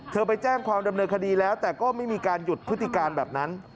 ไปแจ้งความดำเนินคดีแล้วแต่ก็ไม่มีการหยุดพฤติการแบบนั้น